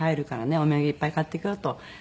「お土産いっぱい買っていくよ」と。